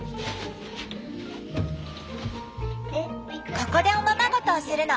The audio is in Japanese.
ここでおままごとをするの。